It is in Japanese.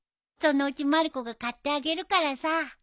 そのうちまる子が買ってあげるからさ。